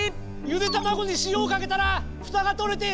ゆで卵に塩をかけたらふたが取れて